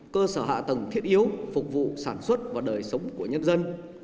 cơ sở hạ tầng thiết yếu phục vụ sản xuất và đời sống của nhân dân